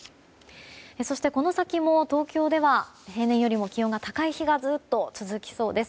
そして、この先も東京では平年よりも気温が高い日がずっと続きそうです。